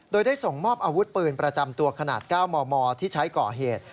โดยได้ส่งมอบอาวุธปืนประจำตัวขนาด๙มมที่ใช้ก่อเหตุ